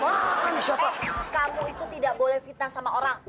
oh kamu itu tidak boleh fitnah sama orang